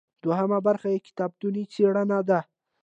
دوهمه برخه یې کتابتوني څیړنه ده.